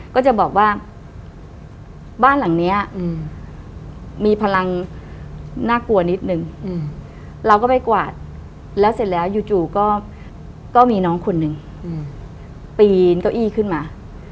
ก็จะบอกว่าบ้านหลังนี้มีพลังน่ากลัวนิดนึงเราก็ไปกวาดแล้วเสร็จแล้วจู่ก็มีน้องคนหนึ่งปีนเก้าอี้ขึ้นมา